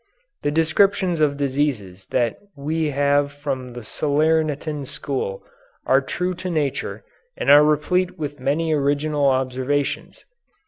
The descriptions of diseases that we have from the Salernitan school are true to nature and are replete with many original observations.